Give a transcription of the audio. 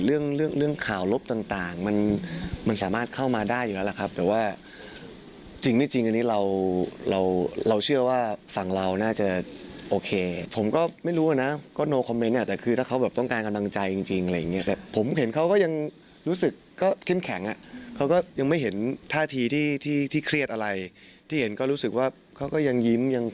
เรื่องเรื่องข่าวลบต่างมันมันสามารถเข้ามาได้อยู่แล้วล่ะครับแต่ว่าจริงไม่จริงอันนี้เราเราเชื่อว่าฝั่งเราน่าจะโอเคผมก็ไม่รู้นะก็โนคอมเมนต์อ่ะแต่คือถ้าเขาแบบต้องการกำลังใจจริงอะไรอย่างเงี้ยแต่ผมเห็นเขาก็ยังรู้สึกก็เข้มแข็งอ่ะเขาก็ยังไม่เห็นท่าทีที่ที่เครียดอะไรที่เห็นก็รู้สึกว่าเขาก็ยังยิ้มยัง